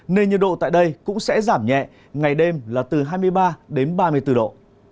nên nhiệt độ tại đây cũng sẽ giảm nhẹ ngày đêm là từ hai mươi ba đến ba mươi bốn độ